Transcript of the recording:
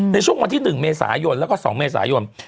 ในช่วงวันที่๑เมษายนแล้วก็๒เมษายน